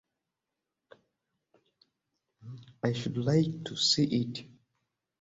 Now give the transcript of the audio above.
I should like to see it.